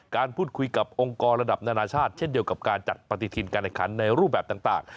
การพูดคุยกับองค์กรระดับนานาชาติเช่นเดียวกับการจัดปฏิทินการแข่งขันในรูปแบบต่าง